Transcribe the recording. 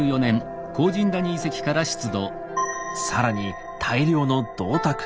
更に大量の銅鐸。